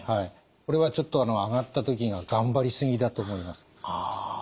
これはちょっと上がった時が頑張り過ぎだと思います。